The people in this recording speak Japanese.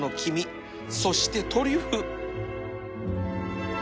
そしてトリュフ